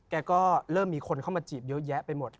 แกก็เริ่มมีคนเข้ามาจีบเยอะแยะไปหมด